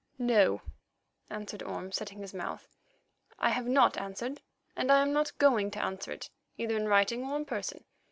"No," answered Orme, setting his mouth. "I have not answered, and I am not going to answer it, either in writing or in person.